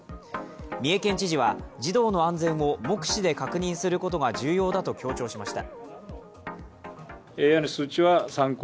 三重県知事は児童の安全を目視で確認することが重要だと強調しました。